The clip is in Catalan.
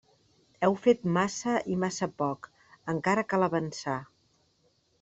Heu fet massa i massa poc; encara cal avançar.